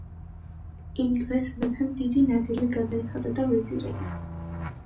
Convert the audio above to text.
იმ დღეს მეფემ დიდი ნადიმი გადაიხადა და ვეზირები